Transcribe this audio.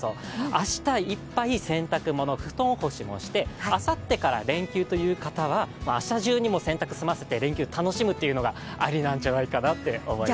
明日いっぱい洗濯物、布団干しもしてあさってから連休という方は、明日中に洗濯済ませて、連休楽しむというのが、ありなんじゃないかなと思います。